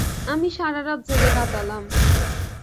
আমি সারা রাত জেগে কাটালাম।